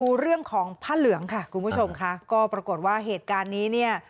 ดูเรื่องของผ้าเหลืองค่ะคุณผู้ชมค่ะก็ปรากฏว่าเหตุการณ์นี้เนี่ย